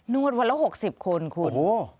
วดวันละ๖๐คนคุณ